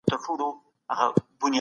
ماشین لرو.